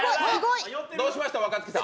どうしました、若槻さん。